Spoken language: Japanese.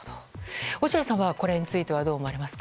落合さんは、これについてはどう思われますか。